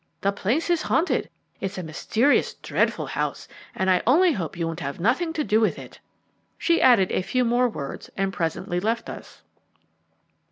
The place is haunted. It's a mysterious, dreadful house, and I only hope you won't have nothing to do with it." She added a few more words and presently left us.